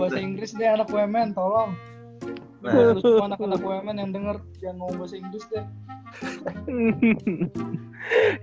bahasa inggris di anak wmn tolong anak anak wmn yang denger jangan ngomong bahasa inggris deh